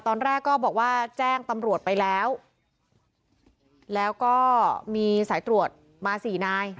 ตอนแรกก็บอกว่าแจ้งตำรวจไปแล้วแล้วก็มีสายตรวจมาสี่นาย